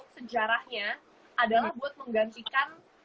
sejarahnya adalah buat menggantikan